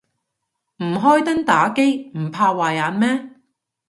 唔開燈打機唔怕壞眼咩